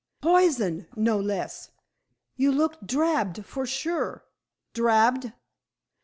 "Poison, no less. You look drabbed, for sure." "Drabbed?"